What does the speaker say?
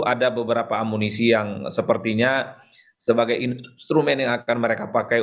ada beberapa amunisi yang sepertinya sebagai instrumen yang akan mereka pakai